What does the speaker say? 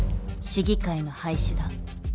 市議会の廃止だ。